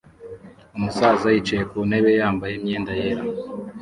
Umusaza yicaye ku ntebe yambaye imyenda yera